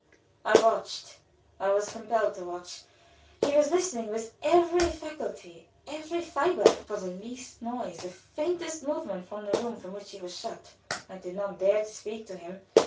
I watched; I was compelled to watch. He was listening with every faculty, every fiber, for the least noise, the faintest movement from the room from which he was shut out. I did not dare to speak to him.